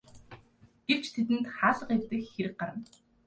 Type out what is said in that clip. Гэвч тэдэнд хаалга эвдэх хэрэг гарна.